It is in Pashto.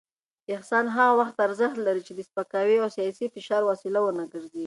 احسان هغه وخت ارزښت لري چې د سپکاوي او سياسي فشار وسیله ونه ګرځي.